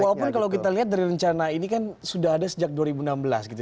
walaupun kalau kita lihat dari rencana ini kan sudah ada sejak dua ribu enam belas gitu